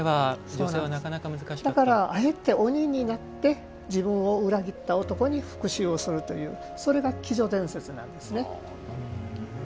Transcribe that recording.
だから、あえて鬼になって自分を裏切った男に復しゅうをするというそれが、鬼女伝説なんですね。